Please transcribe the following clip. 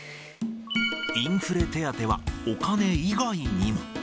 インフレ手当はお金以外にも。